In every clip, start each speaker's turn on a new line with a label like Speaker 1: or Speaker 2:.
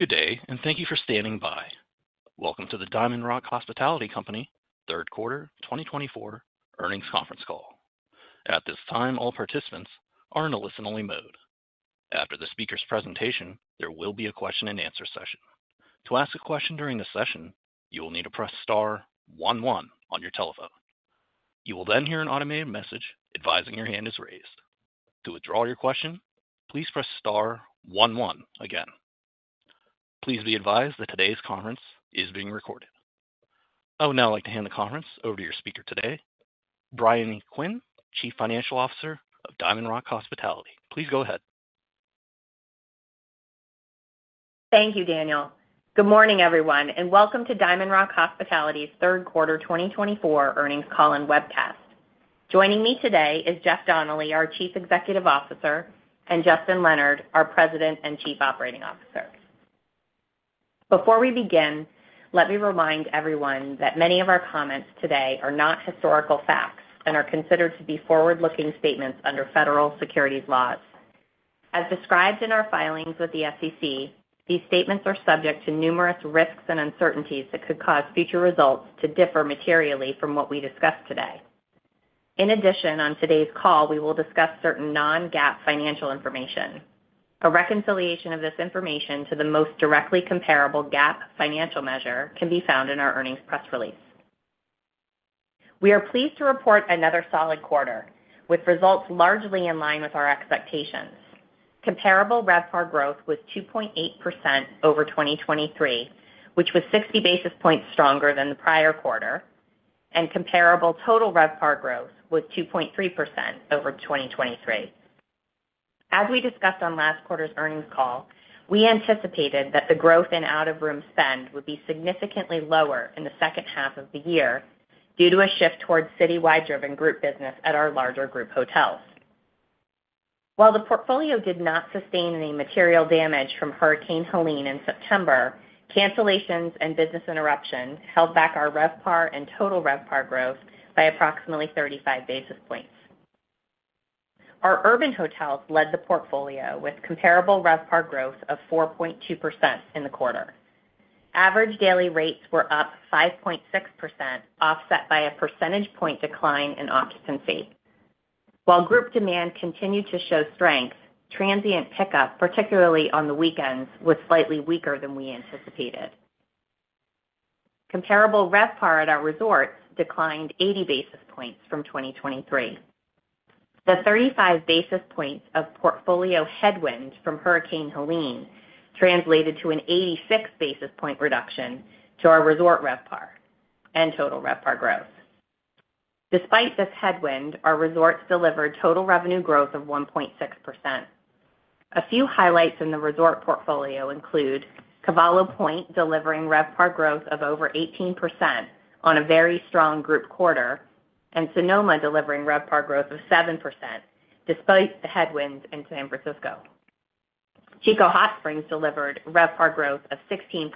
Speaker 1: Good day, and thank you for standing by. Welcome to the DiamondRock Hospitality Company Third Quarter 2024 earnings conference call. At this time, all participants are in a listen-only mode. After the speaker's presentation, there will be a question-and-answer session. To ask a question during the session, you will need to press star one-one on your telephone. You will then hear an automated message advising your hand is raised. To withdraw your question, please press star one-one again. Please be advised that today's conference is being recorded. I would now like to hand the conference over to your speaker today, Briony Quinn, Chief Financial Officer of DiamondRock Hospitality. Please go ahead.
Speaker 2: Thank you, Daniel. Good morning, everyone, and welcome to DiamondRock Hospitality's Third Quarter 2024 earnings call and webcast. Joining me today is Jeff Donnelly, our Chief Executive Officer, and Justin Leonard, our President and Chief Operating Officer. Before we begin, let me remind everyone that many of our comments today are not historical facts and are considered to be forward-looking statements under federal securities laws. As described in our filings with the SEC, these statements are subject to numerous risks and uncertainties that could cause future results to differ materially from what we discuss today. In addition, on today's call, we will discuss certain non-GAAP financial information. A reconciliation of this information to the most directly comparable GAAP financial measure can be found in our earnings press release. We are pleased to report another solid quarter, with results largely in line with our expectations. Comparable RevPAR growth was 2.8% over 2023, which was 60 basis points stronger than the prior quarter, and comparable total RevPAR growth was 2.3% over 2023. As we discussed on last quarter's earnings call, we anticipated that the growth in out-of-room spend would be significantly lower in the second half of the year due to a shift towards citywide-driven group business at our larger group hotels. While the portfolio did not sustain any material damage from Hurricane Helene in September, cancellations and business interruptions held back our RevPAR and total RevPAR growth by approximately 35 basis points. Our urban hotels led the portfolio with comparable RevPAR growth of 4.2% in the quarter. Average daily rates were up 5.6%, offset by a percentage point decline in occupancy. While group demand continued to show strength, transient pickup, particularly on the weekends, was slightly weaker than we anticipated. Comparable RevPAR at our resorts declined 80 basis points from 2023. The 35 basis points of portfolio headwind from Hurricane Helene translated to an 86 basis point reduction to our resort RevPAR and total RevPAR growth. Despite this headwind, our resorts delivered total revenue growth of 1.6%. A few highlights in the resort portfolio include Cavallo Point delivering RevPAR growth of over 18% on a very strong group quarter, and Sonoma delivering RevPAR growth of 7% despite the headwinds in San Francisco. Chico Hot Springs delivered RevPAR growth of 16%,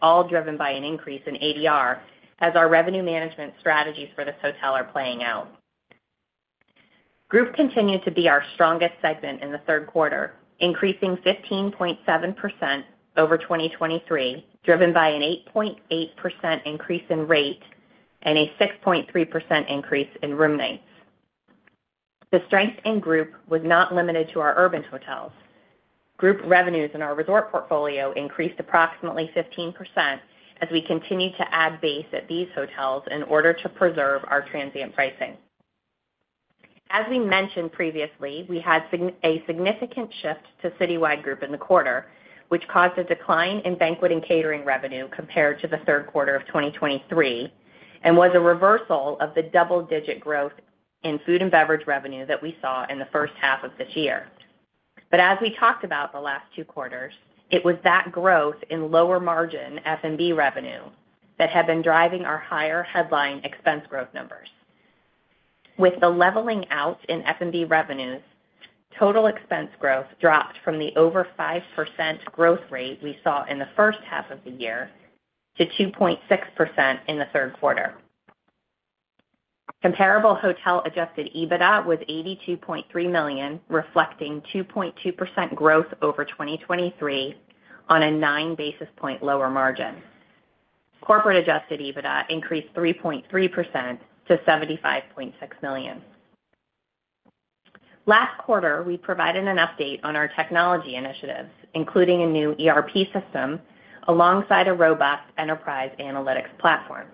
Speaker 2: all driven by an increase in ADR as our revenue management strategies for this hotel are playing out. Group continued to be our strongest segment in the third quarter, increasing 15.7% over 2023, driven by an 8.8% increase in rate and a 6.3% increase in room nights. The strength in group was not limited to our urban hotels. Group revenues in our resort portfolio increased approximately 15% as we continued to add base at these hotels in order to preserve our transient pricing. As we mentioned previously, we had a significant shift to citywide group in the quarter, which caused a decline in banquet and catering revenue compared to the third quarter of 2023 and was a reversal of the double-digit growth in food and beverage revenue that we saw in the first half of this year. But as we talked about the last two quarters, it was that growth in lower margin F&B revenue that had been driving our higher headline expense growth numbers. With the leveling out in F&B revenues, total expense growth dropped from the over 5% growth rate we saw in the first half of the year to 2.6% in the third quarter. Comparable hotel Adjusted EBITDA was $82.3 million, reflecting 2.2% growth over 2023 on a 9 basis points lower margin. Corporate Adjusted EBITDA increased 3.3% to $75.6 million. Last quarter, we provided an update on our technology initiatives, including a new ERP system alongside a robust enterprise analytics platform.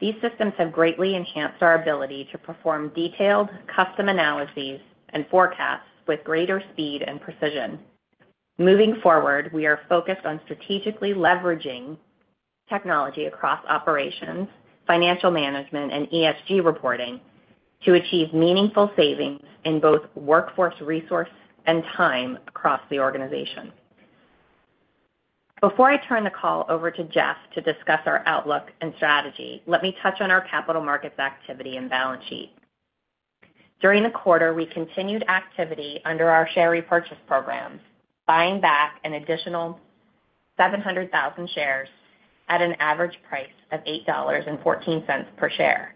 Speaker 2: These systems have greatly enhanced our ability to perform detailed custom analyses and forecasts with greater speed and precision. Moving forward, we are focused on strategically leveraging technology across operations, financial management, and ESG reporting to achieve meaningful savings in both workforce resource and time across the organization. Before I turn the call over to Jeff to discuss our outlook and strategy, let me touch on our capital markets activity and balance sheet. During the quarter, we continued activity under our share repurchase programs, buying back an additional 700,000 shares at an average price of $8.14 per share.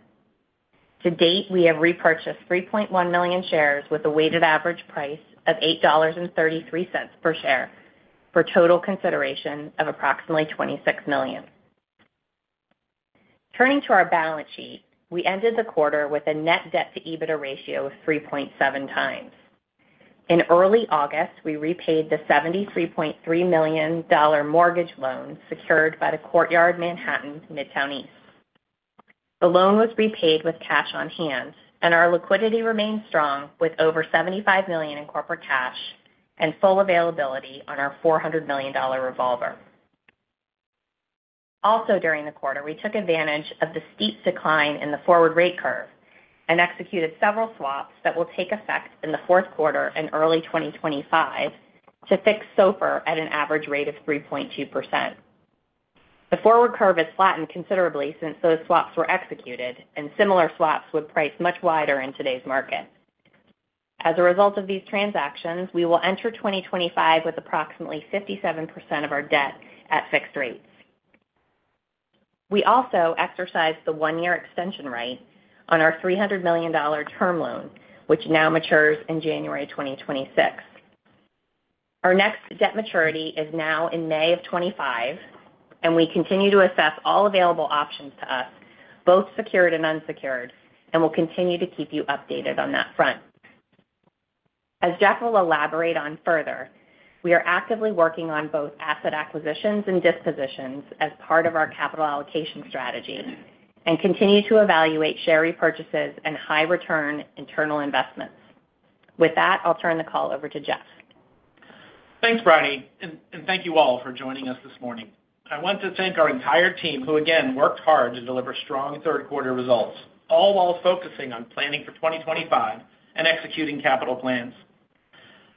Speaker 2: To date, we have repurchased 3.1 million shares with a weighted average price of $8.33 per share for total consideration of approximately $26 million. Turning to our balance sheet, we ended the quarter with a net debt-to-EBITDA ratio of 3.7 times. In early August, we repaid the $73.3 million mortgage loan secured by the Courtyard New York Manhattan/Midtown East. The loan was repaid with cash on hand, and our liquidity remained strong with over $75 million in corporate cash and full availability on our $400 million revolver. Also, during the quarter, we took advantage of the steep decline in the forward rate curve and executed several swaps that will take effect in the fourth quarter and early 2025 to fix SOFR at an average rate of 3.2%. The forward curve has flattened considerably since those swaps were executed, and similar swaps would price much wider in today's market. As a result of these transactions, we will enter 2025 with approximately 57% of our debt at fixed rates. We also exercised the one-year extension right on our $300 million term loan, which now matures in January 2026. Our next debt maturity is now in May of 2025, and we continue to assess all available options to us, both secured and unsecured, and will continue to keep you updated on that front. As Jeff will elaborate on further, we are actively working on both asset acquisitions and dispositions as part of our capital allocation strategy and continue to evaluate share repurchases and high-return internal investments. With that, I'll turn the call over to Jeff.
Speaker 3: Thanks, Briony, and thank you all for joining us this morning. I want to thank our entire team who, again, worked hard to deliver strong third-quarter results, all while focusing on planning for 2025 and executing capital plans.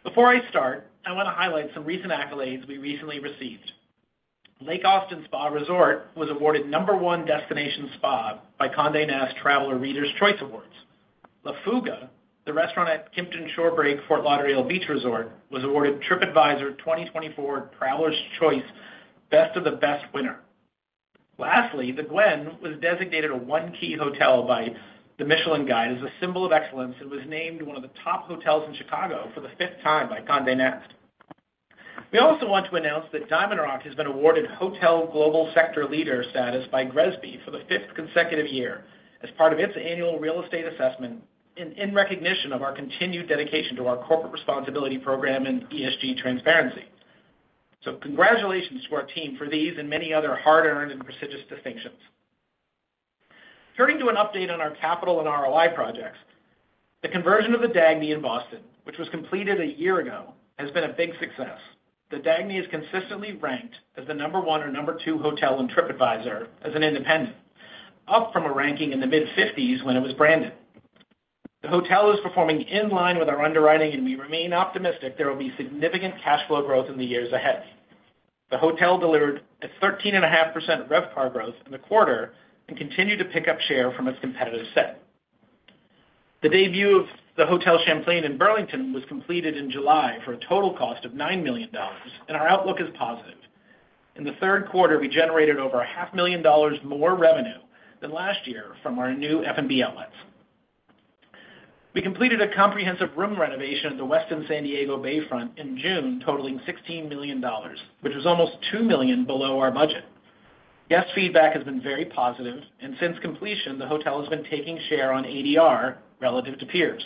Speaker 3: Before I start, I want to highlight some recent accolades we recently received. Lake Austin Spa Resort was awarded Number One Destination Spa by Condé Nast Traveler Readers' Choice Awards. La Fuga, the restaurant at Kimpton Shorebreak Fort Lauderdale Beach Resort, was awarded TripAdvisor 2024 Travelers' Choice Best of the Best winner. Lastly, The Gwen was designated a One Key hotel by The Michelin Guide as a symbol of excellence and was named one of the top hotels in Chicago for the fifth time by Condé Nast. We also want to announce that DiamondRock has been awarded Hotel Global Sector Leader status by GRESB for the fifth consecutive year as part of its annual real estate assessment in recognition of our continued dedication to our corporate responsibility program and ESG transparency. So congratulations to our team for these and many other hard-earned and prestigious distinctions. Turning to an update on our capital and ROI projects, the conversion of the Dagny in Boston, which was completed a year ago, has been a big success. The Dagny is consistently ranked as the number one or number two hotel in TripAdvisor as an independent, up from a ranking in the mid-50s when it was branded. The hotel is performing in line with our underwriting, and we remain optimistic there will be significant cash flow growth in the years ahead. The hotel delivered a 13.5% RevPAR growth in the quarter and continued to pick up share from its competitive set. The debut of the Hotel Champlain in Burlington was completed in July for a total cost of $9 million, and our outlook is positive. In the third quarter, we generated over $500,000 more revenue than last year from our new F&B outlets. We completed a comprehensive room renovation at the Westin San Diego Bayfront in June, totaling $16 million, which was almost $2 million below our budget. Guest feedback has been very positive, and since completion, the hotel has been taking share on ADR relative to peers.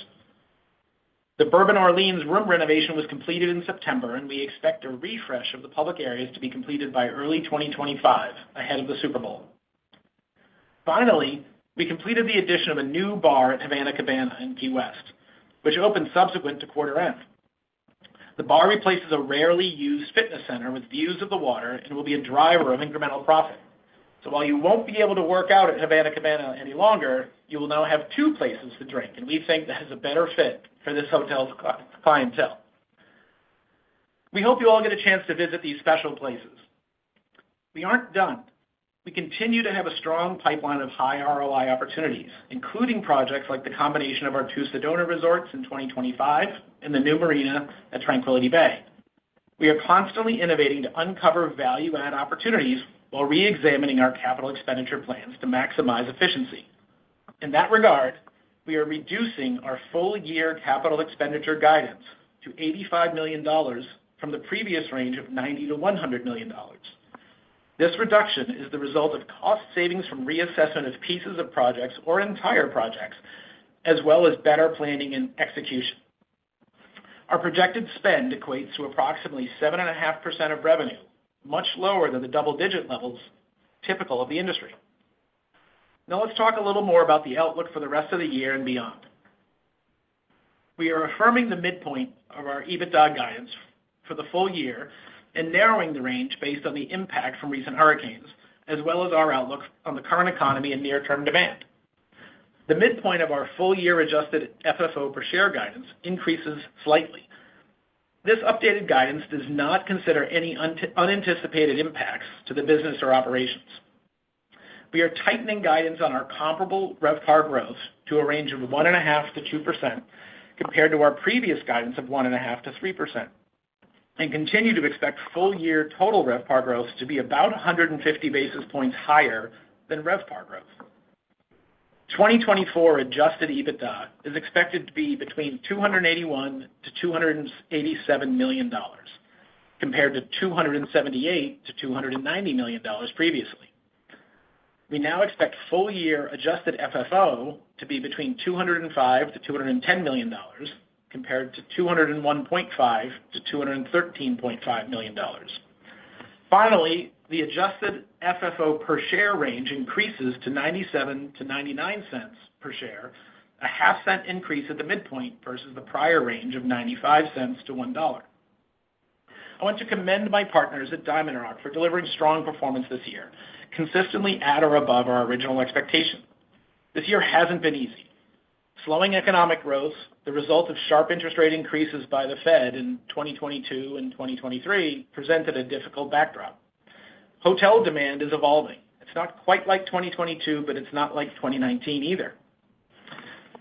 Speaker 3: The Bourbon Orleans room renovation was completed in September, and we expect a refresh of the public areas to be completed by early 2025 ahead of the Super Bowl. Finally, we completed the addition of a new bar at Havana Cabana in Key West, which opened subsequent to quarter end. The bar replaces a rarely used fitness center with views of the water and will be a driver of incremental profit. So while you won't be able to work out at Havana Cabana any longer, you will now have two places to drink, and we think that is a better fit for this hotel's clientele. We hope you all get a chance to visit these special places. We aren't done. We continue to have a strong pipeline of high ROI opportunities, including projects like the combination of our two Sedona resorts in 2025 and the new marina at Tranquility Bay. We are constantly innovating to uncover value-add opportunities while re-examining our capital expenditure plans to maximize efficiency. In that regard, we are reducing our full-year capital expenditure guidance to $85 million from the previous range of $90-$100 million. This reduction is the result of cost savings from reassessment of pieces of projects or entire projects, as well as better planning and execution. Our projected spend equates to approximately 7.5% of revenue, much lower than the double-digit levels typical of the industry. Now let's talk a little more about the outlook for the rest of the year and beyond. We are affirming the midpoint of our EBITDA guidance for the full year and narrowing the range based on the impact from recent hurricanes, as well as our outlook on the current economy and near-term demand. The midpoint of our full-year adjusted FFO per share guidance increases slightly. This updated guidance does not consider any unanticipated impacts to the business or operations. We are tightening guidance on our comparable RevPAR growth to a range of 1.5%-2% compared to our previous guidance of 1.5%-3%, and continue to expect full-year total RevPAR growth to be about 150 basis points higher than RevPAR growth. 2024 Adjusted EBITDA is expected to be between $281-$287 million compared to $278-$290 million previously. We now expect full-year Adjusted FFO to be between $205-$210 million compared to $201.5-$213.5 million. Finally, the Adjusted FFO per share range increases to $0.97-$0.99 per share, a half-cent increase at the midpoint versus the prior range of $0.95-$1. I want to commend my partners at DiamondRock for delivering strong performance this year, consistently at or above our original expectation. This year hasn't been easy. Slowing economic growth, the result of sharp interest rate increases by the Fed in 2022 and 2023, presented a difficult backdrop. Hotel demand is evolving. It's not quite like 2022, but it's not like 2019 either.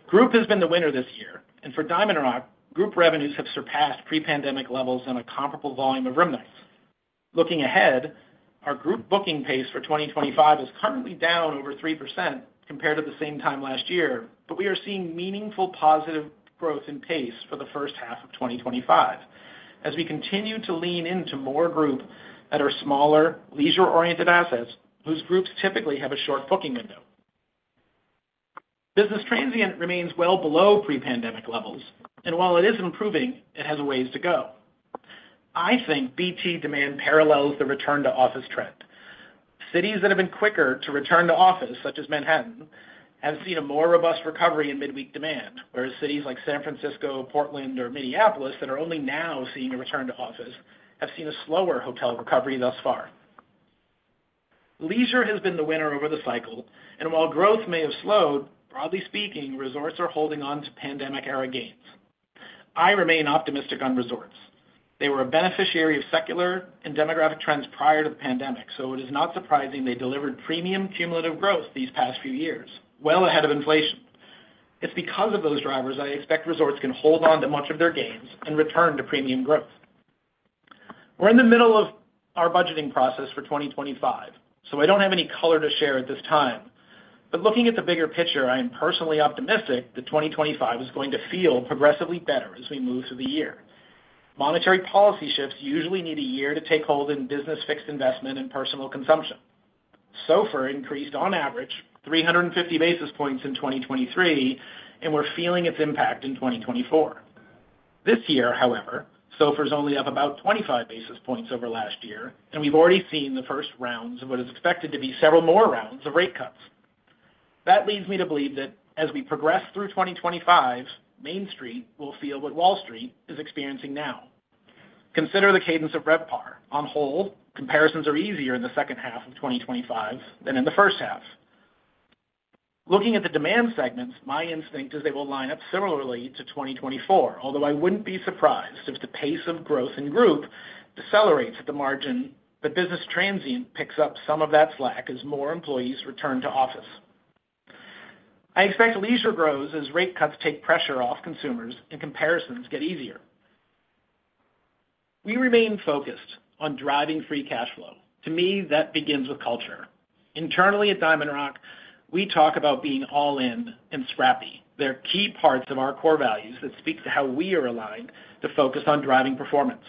Speaker 3: Group has been the winner this year, and for DiamondRock, group revenues have surpassed pre-pandemic levels on a comparable volume of room nights. Looking ahead, our group booking pace for 2025 is currently down over 3% compared to the same time last year, but we are seeing meaningful positive growth in pace for the first half of 2025 as we continue to lean into more group at our smaller, leisure-oriented assets whose groups typically have a short booking window. Business transient remains well below pre-pandemic levels, and while it is improving, it has a ways to go. I think BT demand parallels the return-to-office trend. Cities that have been quicker to return to office, such as Manhattan, have seen a more robust recovery in midweek demand, whereas cities like San Francisco, Portland, or Minneapolis that are only now seeing a return to office have seen a slower hotel recovery thus far. Leisure has been the winner over the cycle, and while growth may have slowed, broadly speaking, resorts are holding on to pandemic-era gains. I remain optimistic on resorts. They were a beneficiary of secular and demographic trends prior to the pandemic, so it is not surprising they delivered premium cumulative growth these past few years, well ahead of inflation. It's because of those drivers I expect resorts can hold on to much of their gains and return to premium growth. We're in the middle of our budgeting process for 2025, so I don't have any color to share at this time. But looking at the bigger picture, I am personally optimistic that 2025 is going to feel progressively better as we move through the year. Monetary policy shifts usually need a year to take hold in business fixed investment and personal consumption. SOFR increased on average 350 basis points in 2023, and we're feeling its impact in 2024. This year, however, SOFR is only up about 25 basis points over last year, and we've already seen the first rounds of what is expected to be several more rounds of rate cuts. That leads me to believe that as we progress through 2025, Main Street will feel what Wall Street is experiencing now. Consider the cadence of RevPAR. All told, comparisons are easier in the second half of 2025 than in the first half. Looking at the demand segments, my instinct is they will line up similarly to 2024, although I wouldn't be surprised if the pace of growth in group decelerates at the margin, but business transient picks up some of that slack as more employees return to office. I expect leisure grows as rate cuts take pressure off consumers and comparisons get easier. We remain focused on driving free cash flow. To me, that begins with culture. Internally at DiamondRock, we talk about being all-in and scrappy. They're key parts of our core values that speak to how we are aligned to focus on driving performance.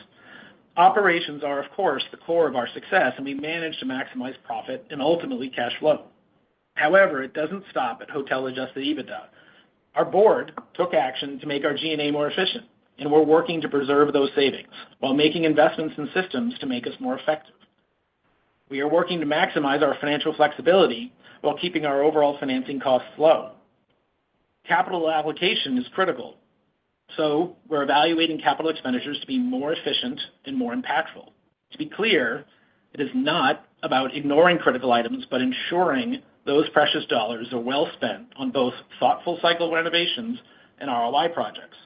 Speaker 3: Operations are, of course, the core of our success, and we manage to maximize profit and ultimately cash flow. However, it doesn't stop at Hotel Adjusted EBITDA. Our board took action to make our G&A more efficient, and we're working to preserve those savings while making investments in systems to make us more effective. We are working to maximize our financial flexibility while keeping our overall financing costs low. Capital allocation is critical, so we're evaluating capital expenditures to be more efficient and more impactful. To be clear, it is not about ignoring critical items, but ensuring those precious dollars are well spent on both thoughtful cycle renovations and ROI projects.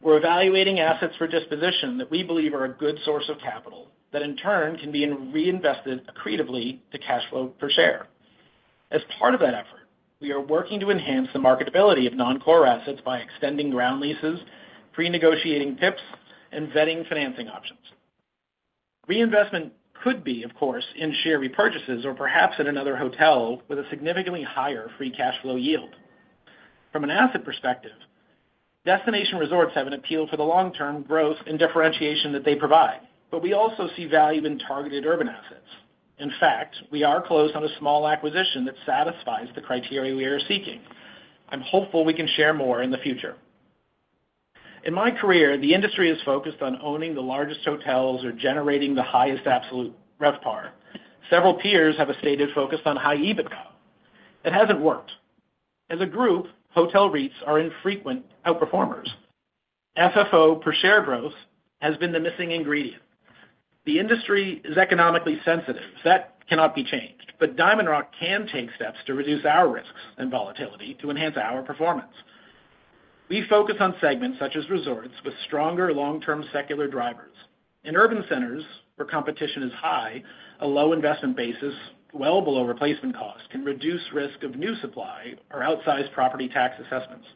Speaker 3: We're evaluating assets for disposition that we believe are a good source of capital that, in turn, can be reinvested accretively to cash flow per share. As part of that effort, we are working to enhance the marketability of non-core assets by extending ground leases, pre-negotiating PIPs, and vetting financing options. Reinvestment could be, of course, in share repurchases or perhaps in another hotel with a significantly higher free cash flow yield. From an asset perspective, destination resorts have an appeal for the long-term growth and differentiation that they provide, but we also see value in targeted urban assets. In fact, we are close on a small acquisition that satisfies the criteria we are seeking. I'm hopeful we can share more in the future. In my career, the industry is focused on owning the largest hotels or generating the highest absolute RevPAR. Several peers have a stated focus on high EBITDA. It hasn't worked. As a group, hotel REITs are infrequent outperformers. FFO per share growth has been the missing ingredient. The industry is economically sensitive. That cannot be changed, but DiamondRock can take steps to reduce our risks and volatility to enhance our performance. We focus on segments such as resorts with stronger long-term secular drivers. In urban centers, where competition is high, a low investment basis well below replacement cost can reduce risk of new supply or outsized property tax assessments.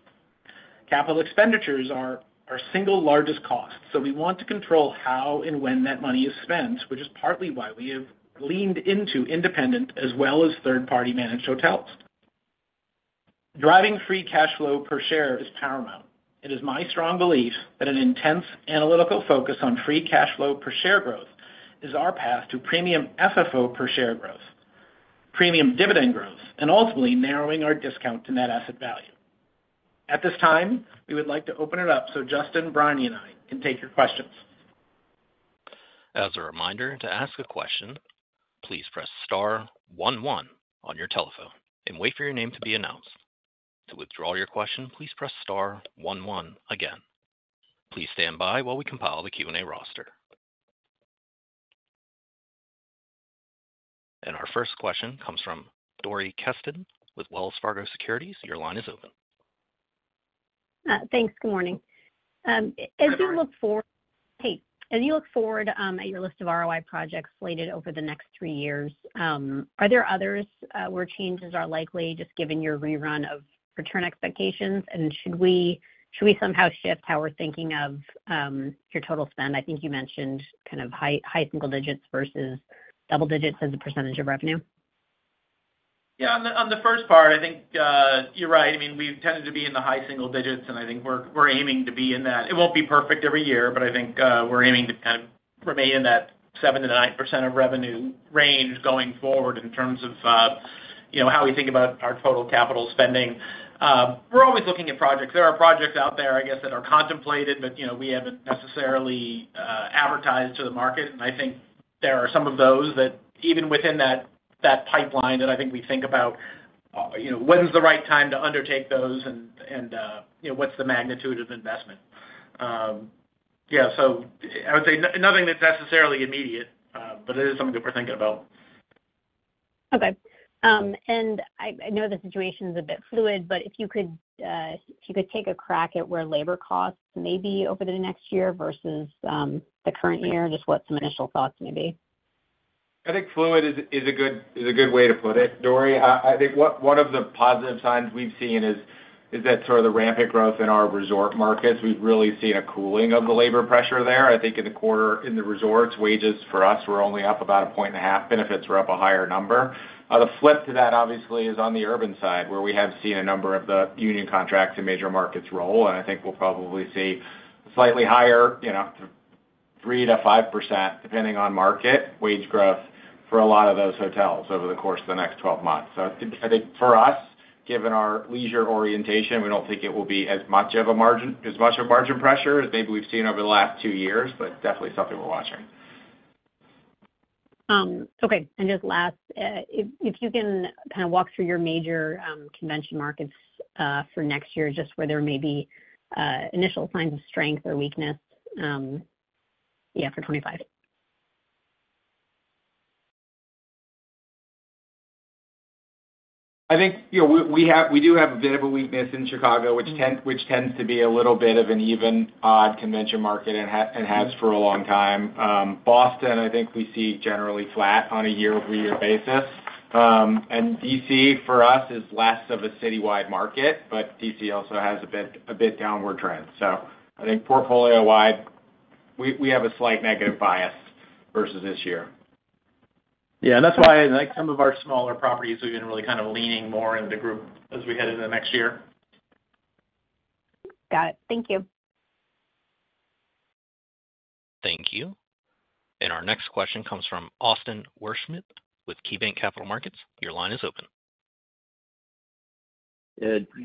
Speaker 3: Capital expenditures are our single largest cost, so we want to control how and when that money is spent, which is partly why we have leaned into independent as well as third-party managed hotels. Driving free cash flow per share is paramount. It is my strong belief that an intense analytical focus on free cash flow per share growth is our path to premium FFO per share growth, premium dividend growth, and ultimately narrowing our discount to net asset value. At this time, we would like to open it up so Justin, Briony, and I can take your questions.
Speaker 1: As a reminder, to ask a question, please press star 11 on your telephone and wait for your name to be announced. To withdraw your question, please press star 11 again. Please stand by while we compile the Q&A roster. And our first question comes from Dory Keston with Wells Fargo Securities. Your line is open.
Speaker 4: Thanks. Good morning. As you look forward at your list of ROI projects slated over the next three years, are there others where changes are likely just given your revised return expectations? And should we somehow shift how we're thinking of your total spend? I think you mentioned kind of high single digits versus double digits as a percentage of revenue.
Speaker 3: Yeah, on the first part, I think you're right. I mean, we've tended to be in the high single digits, and I think we're aiming to be in that. It won't be perfect every year, but I think we're aiming to kind of remain in that 7%-9% of revenue range going forward in terms of how we think about our total capital spending. We're always looking at projects. There are projects out there, I guess, that are contemplated, but we haven't necessarily advertised to the market, and I think there are some of those that even within that pipeline that I think we think about, when's the right time to undertake those and what's the magnitude of investment? Yeah, so I would say nothing that's necessarily immediate, but it is something that we're thinking about.
Speaker 4: Okay. I know the situation is a bit fluid, but if you could take a crack at where labor costs may be over the next year versus the current year, just what some initial thoughts may be?
Speaker 5: I think fluid is a good way to put it. Dory, I think one of the positive signs we've seen is that sort of the rampant growth in our resort markets. We've really seen a cooling of the labor pressure there. I think in the quarter in the resorts, wages for us were only up about a point and a half. Benefits were up a higher number. The flip to that, obviously, is on the urban side where we have seen a number of the union contracts in major markets roll, and I think we'll probably see slightly higher, 3%-5%, depending on market, wage growth for a lot of those hotels over the course of the next 12 months. So I think for us, given our leisure orientation, we don't think it will be as much of a margin pressure as maybe we've seen over the last two years, but definitely something we're watching.
Speaker 4: Okay. And just last, if you can kind of walk through your major convention markets for next year, just where there may be initial signs of strength or weakness, yeah, for 2025.
Speaker 5: I think we do have a bit of a weakness in Chicago, which tends to be a little bit of an event-driven convention market and has for a long time. Boston, I think we see generally flat on a year-over-year basis. And DC for us is less of a citywide market, but DC also has a bit downward trend. So I think portfolio-wide, we have a slight negative bias versus this year. Yeah, and that's why some of our smaller properties have been really kind of leaning more into group as we head into the next year.
Speaker 4: Got it. Thank you.
Speaker 1: Thank you. And our next question comes from Austin Wurschmidt with KeyBanc Capital Markets. Your line is open.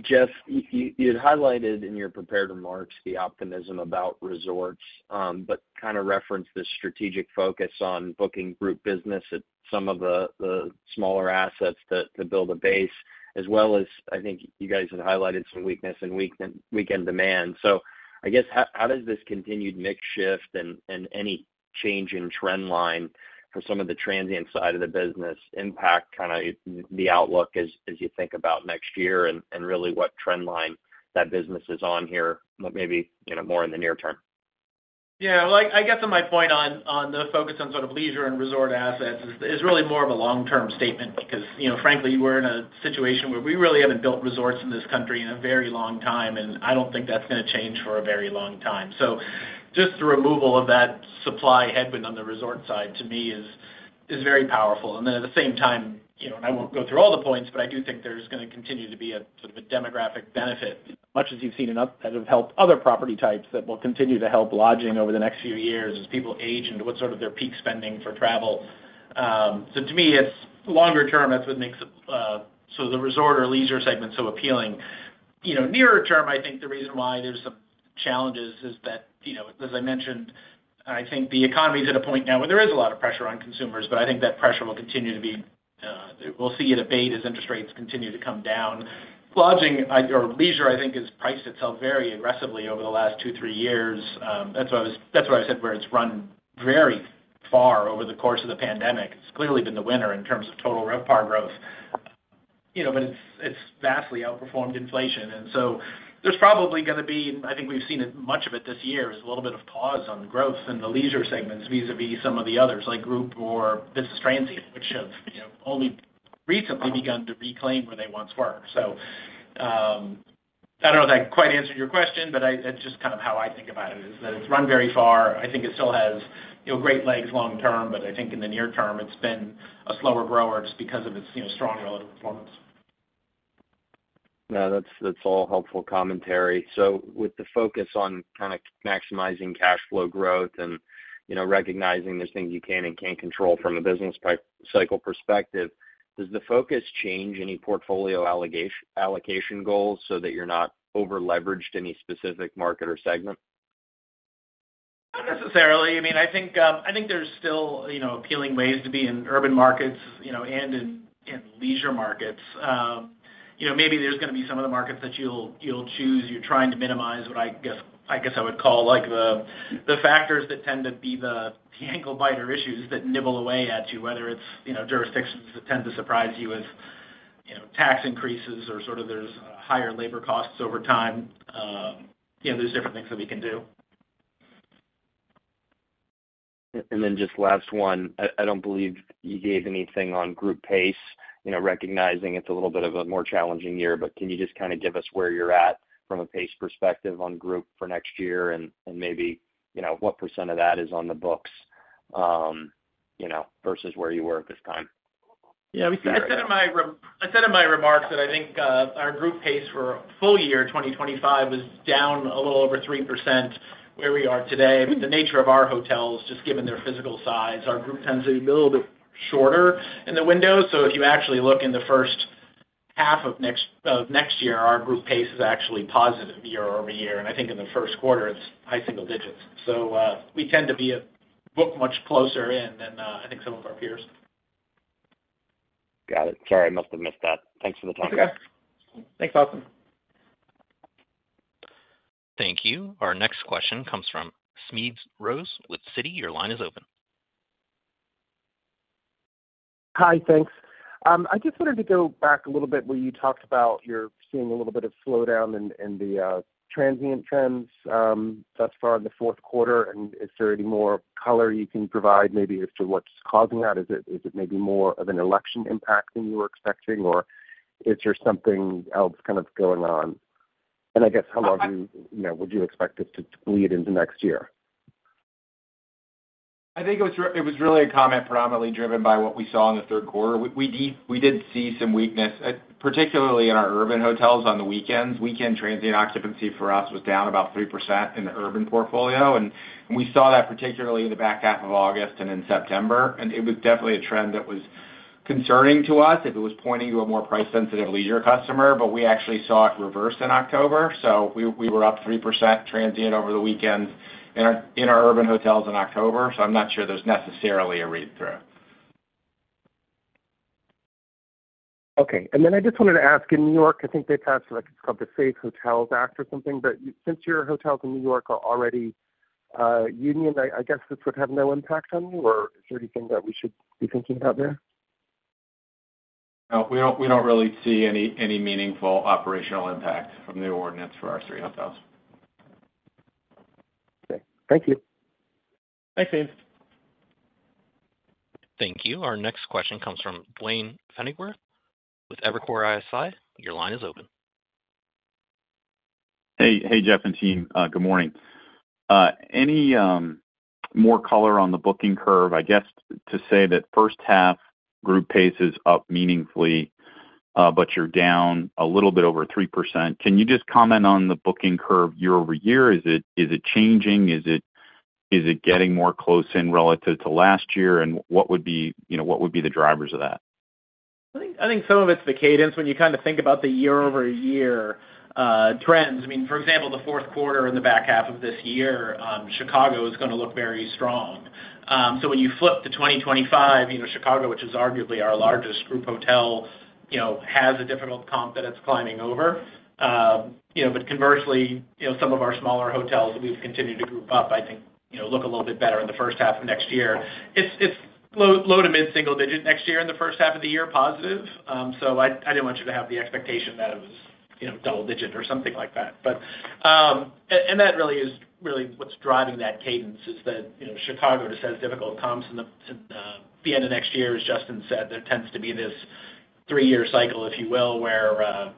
Speaker 6: Jeff, you'd highlighted in your prepared remarks the optimism about resorts, but kind of referenced the strategic focus on booking group business at some of the smaller assets to build a base, as well as I think you guys had highlighted some weakness in weekend demand. So I guess how does this continued mix shift and any change in trend line for some of the transient side of the business impact kind of the outlook as you think about next year and really what trend line that business is on here, but maybe more in the near term?
Speaker 3: Yeah, well, I guess my point on the focus on sort of leisure and resort assets is really more of a long-term statement because, frankly, we're in a situation where we really haven't built resorts in this country in a very long time, and I don't think that's going to change for a very long time. So just the removal of that supply headwind on the resort side, to me, is very powerful. And then at the same time, and I won't go through all the points, but I do think there's going to continue to be a sort of a demographic benefit, much as you've seen that have helped other property types that will continue to help lodging over the next few years as people age into what sort of their peak spending for travel. So to me, it's longer-term that's what makes the resort or leisure segment so appealing. Nearer-term, I think the reason why there's some challenges is that, as I mentioned, I think the economy is at a point now where there is a lot of pressure on consumers, but I think that pressure will continue to be, we'll see it abate as interest rates continue to come down. Lodging or leisure, I think, has priced itself very aggressively over the last two, three years. That's why I said where it's run very far over the course of the pandemic. It's clearly been the winner in terms of Total RevPAR growth, but it's vastly outperformed inflation. And so there's probably going to be, and I think we've seen much of it this year, is a little bit of pause on growth in the leisure segments vis-à-vis some of the others like group or business transient, which have only recently begun to reclaim where they once were. So I don't know if that quite answered your question, but it's just kind of how I think about it is that it's run very far. I think it still has great legs long-term, but I think in the near term, it's been a slower grower just because of its strong relative performance.
Speaker 6: No, that's all helpful commentary. So with the focus on kind of maximizing cash flow growth and recognizing there's things you can and can't control from a business cycle perspective, does the focus change any portfolio allocation goals so that you're not over-leveraged any specific market or segment?
Speaker 3: Not necessarily. I mean, I think there's still appealing ways to be in urban markets and in leisure markets. Maybe there's going to be some of the markets that you'll choose. You're trying to minimize what I guess I would call the factors that tend to be the ankle biter issues that nibble away at you, whether it's jurisdictions that tend to surprise you with tax increases or sort of there's higher labor costs over time. There's different things that we can do.
Speaker 6: And then, just last one, I don't believe you gave anything on group pace, recognizing it's a little bit of a more challenging year, but can you just kind of give us where you're at from a pace perspective on group for next year and maybe what % of that is on the books versus where you were at this time?
Speaker 3: Yeah, I said in my remarks that I think our group pace for full year 2025 was down a little over 3% where we are today. But the nature of our hotels, just given their physical size, our group tends to be a little bit shorter in the window. So if you actually look in the first half of next year, our group pace is actually positive year over year. And I think in the first quarter, it's high single digits. So we tend to be booked much closer in than I think some of our peers.
Speaker 6: Got it. Sorry, I must have missed that. Thanks for the time.
Speaker 3: Okay. Thanks, Austin.
Speaker 1: Thank you. Our next question comes from Smedes Rose with Citi. Your line is open.
Speaker 7: Hi, thanks. I just wanted to go back a little bit where you talked about you're seeing a little bit of slowdown in the transient trends thus far in the fourth quarter. And is there any more color you can provide maybe as to what's causing that? Is it maybe more of an election impact than you were expecting, or is there something else kind of going on? And I guess how long would you expect this to lead into next year?
Speaker 5: I think it was really a comment predominantly driven by what we saw in the third quarter. We did see some weakness, particularly in our urban hotels on the weekends. Weekend transient occupancy for us was down about 3% in the urban portfolio, and we saw that particularly in the back half of August and in September, and it was definitely a trend that was concerning to us if it was pointing to a more price-sensitive leisure customer, but we actually saw it reverse in October, so we were up 3% transient over the weekend in our urban hotels in October. So I'm not sure there's necessarily a read-through.
Speaker 7: Okay, and then I just wanted to ask, in New York, I think they passed what I think is called the Safe Hotels Act or something, but since your hotels in New York are already union, I guess this would have no impact on you, or is there anything that we should be thinking about there?
Speaker 5: No, we don't really see any meaningful operational impact from the ordinance for our three hotels.
Speaker 7: Okay. Thank you.
Speaker 5: Thanks, Smedes.
Speaker 1: Thank you. Our next question comes from Duane Pfennigwerth with Evercore ISI. Your line is open.
Speaker 8: Hey, Jeff and Team. Good morning. Any more color on the booking curve? I guess to say that first half group pace is up meaningfully, but you're down a little bit over 3%. Can you just comment on the booking curve year over year? Is it changing? Is it getting more close in relative to last year? And what would be the drivers of that?
Speaker 3: I think some of it's the cadence when you kind of think about the year-over-year trends. I mean, for example, the fourth quarter in the back half of this year, Chicago is going to look very strong. So when you flip to 2025, Chicago, which is arguably our largest group hotel, has a difficult comp that it's climbing over. But conversely, some of our smaller hotels that we've continued to group up, I think, look a little bit better in the first half of next year. It's low- to mid-single-digit next year in the first half of the year, positive. So I didn't want you to have the expectation that it was double-digit or something like that. And that really is what's driving that cadence is that Chicago just has difficult comps. And at the end of next year, as Justin said, there tends to be this three-year cycle, if you will, where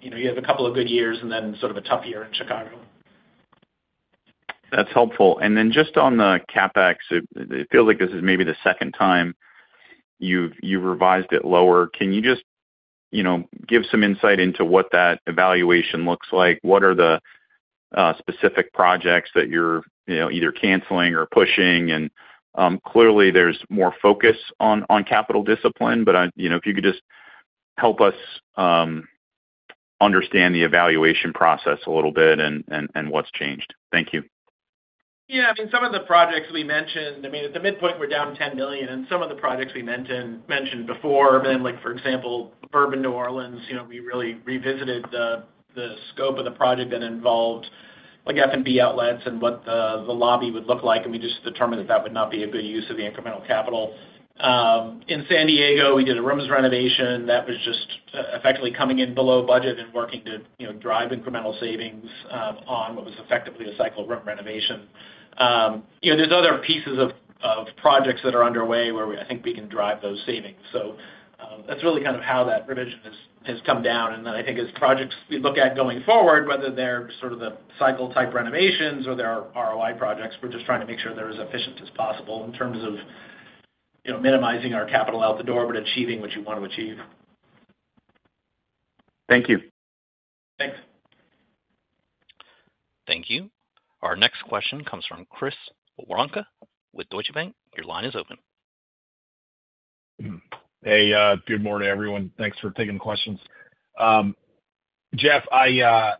Speaker 3: you have a couple of good years and then sort of a tough year in Chicago.
Speaker 8: That's helpful. And then just on the CapEx, it feels like this is maybe the second time you've revised it lower. Can you just give some insight into what that evaluation looks like? What are the specific projects that you're either canceling or pushing? And clearly, there's more focus on capital discipline, but if you could just help us understand the evaluation process a little bit and what's changed. Thank you.
Speaker 3: Yeah. I mean, some of the projects we mentioned, I mean, at the midpoint, we're down $10 million. And some of the projects we mentioned before, for example, Bourbon Orleans, New Orleans, we really revisited the scope of the project that involved F&B outlets and what the lobby would look like. And we just determined that that would not be a good use of the incremental capital. In San Diego, we did a rooms renovation that was just effectively coming in below budget and working to drive incremental savings on what was effectively a cycle room renovation. There's other pieces of projects that are underway where I think we can drive those savings. So that's really kind of how that revision has come down. And then I think as projects we look at going forward, whether they're sort of the cycle-type renovations or there are ROI projects, we're just trying to make sure they're as efficient as possible in terms of minimizing our capital out the door but achieving what you want to achieve.
Speaker 8: Thank you.
Speaker 3: Thanks.
Speaker 1: Thank you. Our next question comes from Chris Woronka with Deutsche Bank. Your line is open.
Speaker 9: Hey, good morning, everyone. Thanks for taking the questions. Jeff, I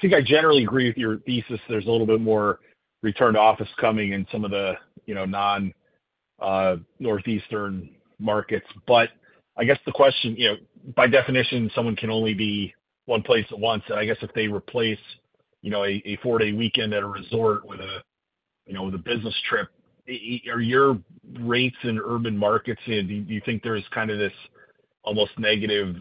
Speaker 9: think I generally agree with your thesis. There's a little bit more return to office coming in some of the non-northeastern markets, but I guess the question, by definition, someone can only be one place at once, and I guess if they replace a four-day weekend at a resort with a business trip, are your rates in urban markets, do you think there's kind of this almost negative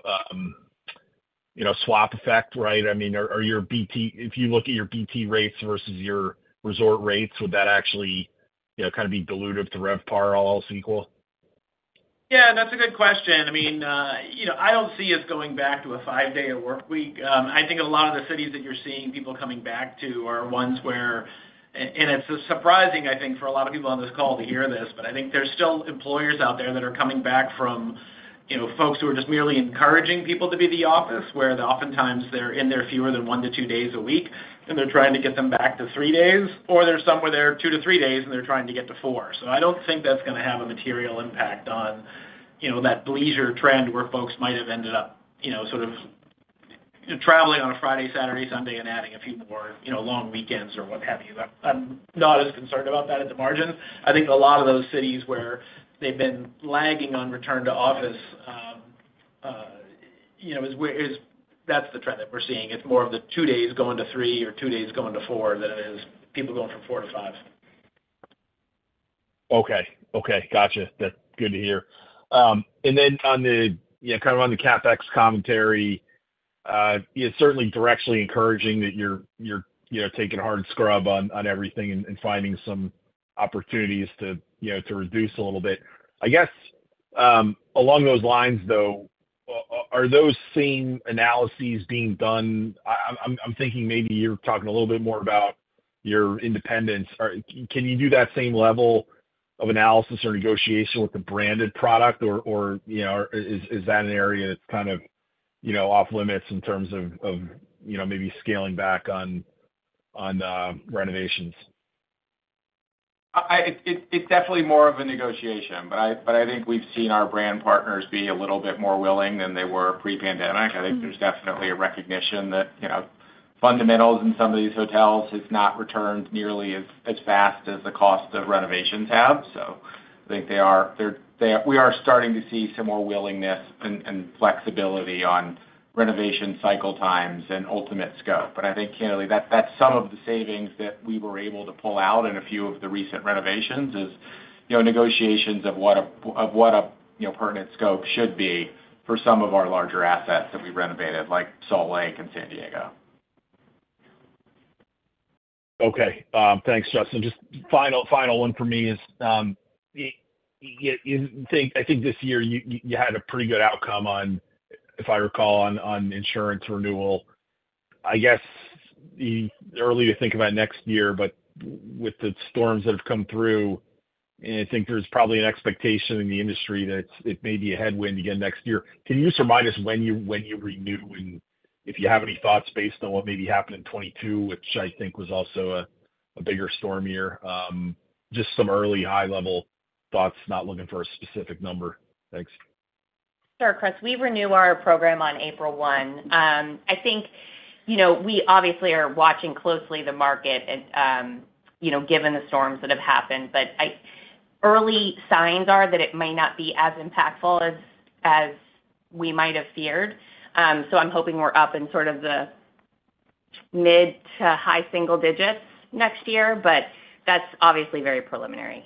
Speaker 9: swap effect, right? I mean, if you look at your BT rates versus your resort rates, would that actually kind of be dilutive to RevPAR all else equal?
Speaker 3: Yeah, that's a good question. I mean, I don't see us going back to a five-day work week. I think a lot of the cities that you're seeing people coming back to are ones where, and it's surprising, I think, for a lot of people on this call to hear this, but I think there's still employers out there that are coming back from folks who are just merely encouraging people to be at the office, where oftentimes they're in there fewer than one to two days a week, and they're trying to get them back to three days, or there's some where they're two to three days and they're trying to get to four. So I don't think that's going to have a material impact on that leisure trend where folks might have ended up sort of traveling on a Friday, Saturday, Sunday, and adding a few more long weekends or what have you. I'm not as concerned about that at the margins. I think a lot of those cities where they've been lagging on return to office, that's the trend that we're seeing. It's more of the two days going to three or two days going to four than it is people going from four to five.
Speaker 9: Okay. Okay. Gotcha. That's good to hear. And then kind of on the CapEx commentary, certainly directly encouraging that you're taking a hard scrub on everything and finding some opportunities to reduce a little bit. I guess along those lines, though, are those same analyses being done? I'm thinking maybe you're talking a little bit more about your independents. Can you do that same level of analysis or negotiation with the branded product, or is that an area that's kind of off-limits in terms of maybe scaling back on renovations?
Speaker 5: It's definitely more of a negotiation, but I think we've seen our brand partners be a little bit more willing than they were pre-pandemic. I think there's definitely a recognition that fundamentals in some of these hotels have not returned nearly as fast as the cost of renovations have. So I think we are starting to see some more willingness and flexibility on renovation cycle times and ultimate scope. But I think, candidly, that's some of the savings that we were able to pull out in a few of the recent renovations is negotiations of what a pertinent scope should be for some of our larger assets that we renovated, like Salt Lake and San Diego.
Speaker 9: Okay. Thanks, Justin. Just final one for me is I think this year you had a pretty good outcome on, if I recall, on insurance renewal. I guess it's early to think about next year, but with the storms that have come through, I think there's probably an expectation in the industry that it may be a headwind again next year. Can you just remind us when you renew and if you have any thoughts based on what maybe happened in 2022, which I think was also a bigger storm year? Just some early high-level thoughts, not looking for a specific number. Thanks.
Speaker 2: Sure, Chris. We renew our program on April 1. I think we obviously are watching the market closely given the storms that have happened, but early signs are that it might not be as impactful as we might have feared. So I'm hoping we're up in sort of the mid- to high-single digits next year, but that's obviously very preliminary.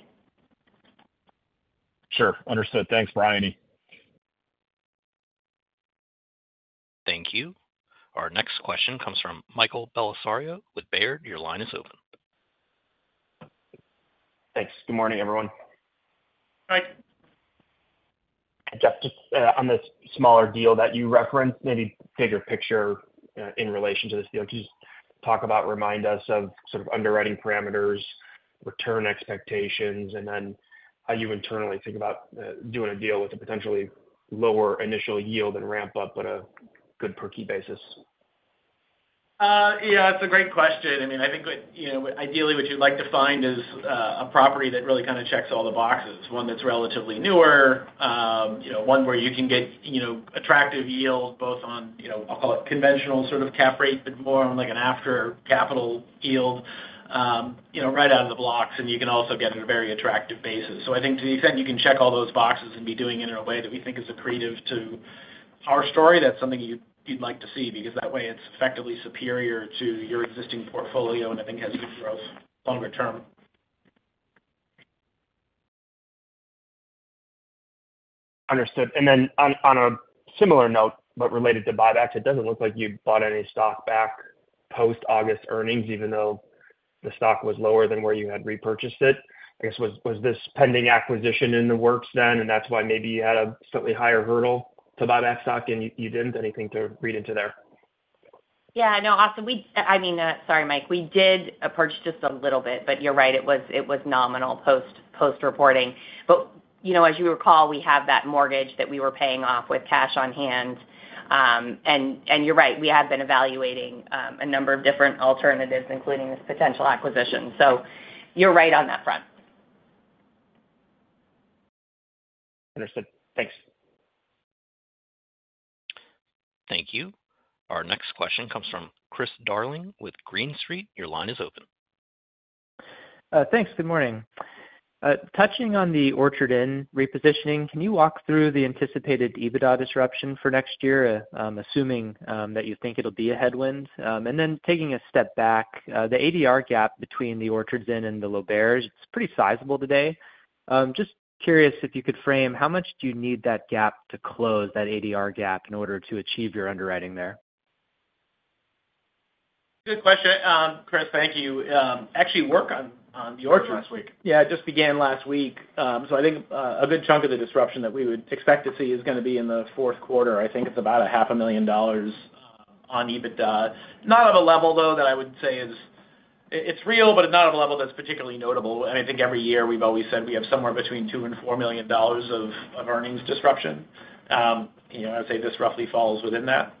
Speaker 9: Sure. Understood. Thanks, Briony.
Speaker 1: Thank you. Our next question comes from Michael J. Bellisario with Baird. Your line is open.
Speaker 10: Thanks. Good morning, everyone.
Speaker 3: Hi.
Speaker 10: Jeff, just on this smaller deal that you referenced, maybe bigger picture in relation to this deal, could you just talk about, remind us of sort of underwriting parameters, return expectations, and then how you internally think about doing a deal with a potentially lower initial yield and ramp-up but a good per-key basis?
Speaker 3: Yeah, that's a great question. I mean, I think ideally what you'd like to find is a property that really kind of checks all the boxes. One that's relatively newer, one where you can get attractive yields both on, I'll call it conventional sort of cap rate, but more on like an after-capital yield right out of the blocks, and you can also get at a very attractive basis. So I think to the extent you can check all those boxes and be doing it in a way that we think is accretive to our story, that's something you'd like to see because that way it's effectively superior to your existing portfolio and I think has good growth longer term.
Speaker 10: Understood. And then on a similar note, but related to buybacks, it doesn't look like you bought any stock back post-August earnings, even though the stock was lower than where you had repurchased it. I guess, was this pending acquisition in the works then, and that's why maybe you had a slightly higher hurdle to buyback stock, and you didn't? Anything to read into there?
Speaker 2: Yeah. No, Austin, I mean, sorry, Mike, we did approach just a little bit, but you're right. It was nominal post-reporting. But as you recall, we have that mortgage that we were paying off with cash on hand. And you're right. We have been evaluating a number of different alternatives, including this potential acquisition. So you're right on that front.
Speaker 10: Understood. Thanks.
Speaker 1: Thank you. Our next question comes from Chris Darling with Green Street. Your line is open.
Speaker 11: Thanks. Good morning. Touching on the Orchards Inn repositioning, can you walk through the anticipated EBITDA disruption for next year, assuming that you think it'll be a headwind? And then taking a step back, the ADR gap between the Orchards Inn and the L'Auberge de Sedona, it's pretty sizable today. Just curious if you could frame how much do you need that gap to close, that ADR gap, in order to achieve your underwriting there?
Speaker 3: Good question. Chris, thank you. Actually, work on the Orchards last week. Yeah, it just began last week.
Speaker 5: So I think a good chunk of the disruption that we would expect to see is going to be in the fourth quarter. I think it's about $500,000 on EBITDA. Not at a level, though, that I would say is, it's real, but it's not at a level that's particularly notable. And I think every year we've always said we have somewhere between $2 million and $4 million of earnings disruption. I would say this roughly falls within that.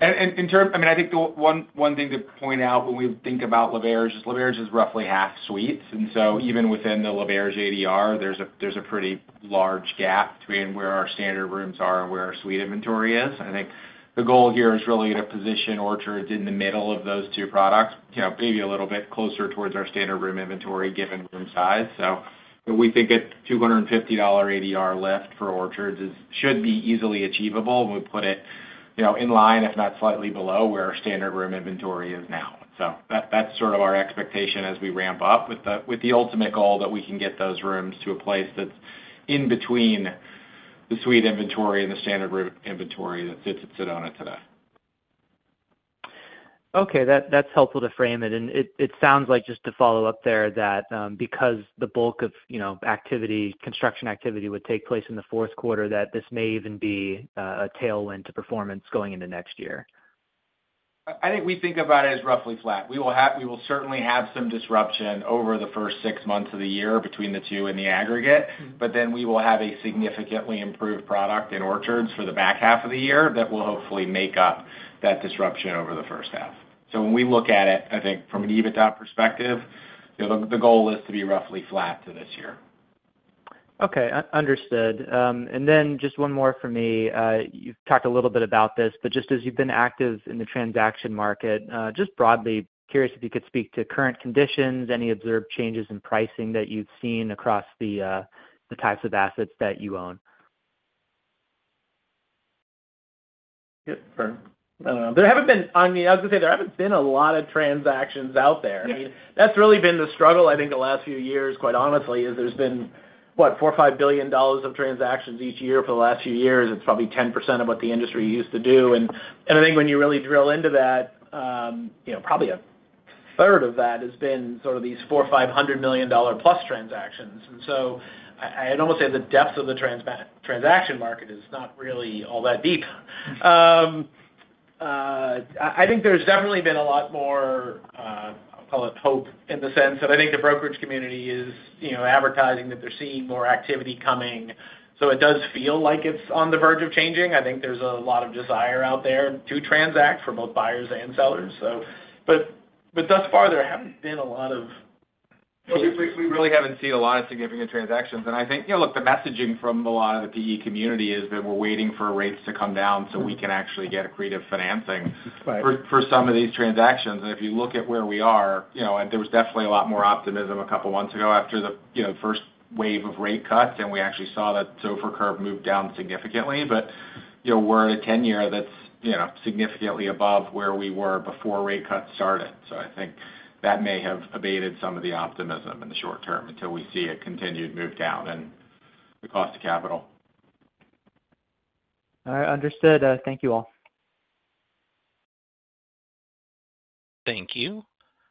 Speaker 5: And I mean, I think one thing to point out when we think about L'Auberge de Sedona is L'Auberge de Sedona is roughly half suites. And so even within the L'Auberge de Sedona ADR, there's a pretty large gap between where our standard rooms are and where our suite inventory is. I think the goal here is really to position Orchards in the middle of those two products, maybe a little bit closer towards our standard room inventory given room size. So we think a $250 ADR lift for Orchards should be easily achievable when we put it in line, if not slightly below, where our standard room inventory is now. So that's sort of our expectation as we ramp up, with the ultimate goal that we can get those rooms to a place that's in between the suite inventory and the standard room inventory that sits at Sedona today.
Speaker 11: Okay. That's helpful to frame it. And it sounds like, just to follow up there, that because the bulk of construction activity would take place in the fourth quarter, that this may even be a tailwind to performance going into next year.
Speaker 5: I think we think about it as roughly flat. We will certainly have some disruption over the first six months of the year between the two in the aggregate, but then we will have a significantly improved product in Orchards for the back half of the year that will hopefully make up that disruption over the first half. So when we look at it, I think from an EBITDA perspective, the goal is to be roughly flat to this year.
Speaker 11: Okay. Understood. And then just one more for me. You've talked a little bit about this, but just as you've been active in the transaction market, just broadly, curious if you could speak to current conditions, any observed changes in pricing that you've seen across the types of assets that you own.
Speaker 3: Yep. Fair. There haven't been. I mean, I was going to say there haven't been a lot of transactions out there. I mean, that's really been the struggle, I think, the last few years, quite honestly, is there's been, what, $4-$5 billion of transactions each year for the last few years. It's probably 10% of what the industry used to do. And I think when you really drill into that, probably a third of that has been sort of these $400-$500 million-plus transactions. And so I'd almost say the depth of the transaction market is not really all that deep. I think there's definitely been a lot more, I'll call it hope, in the sense that I think the brokerage community is advertising that they're seeing more activity coming. So it does feel like it's on the verge of changing. I think there's a lot of desire out there to transact for both buyers and sellers. But thus far, there haven't been a lot of.
Speaker 5: We really haven't seen a lot of significant transactions. And I think, look, the messaging from a lot of the PE community is that we're waiting for rates to come down so we can actually get accretive financing for some of these transactions. And if you look at where we are, there was definitely a lot more optimism a couple of months ago after the first wave of rate cuts, and we actually saw that SOFR curve move down significantly. But we're at a 10-year that's significantly above where we were before rate cuts started. So I think that may have abated some of the optimism in the short term until we see a continued move down in the cost of capital.
Speaker 11: Understood. Thank you all.
Speaker 1: Thank you.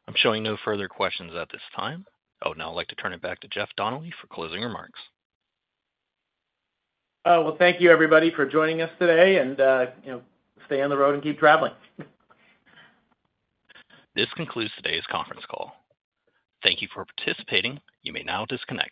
Speaker 1: I'm showing no further questions at this time. Oh, now I'd like to turn it back to Jeff Donnelly for closing remarks.
Speaker 3: Well, thank you, everybody, for joining us today, and stay on the road and keep traveling.
Speaker 1: This concludes today's conference call. Thank you for participating. You may now disconnect.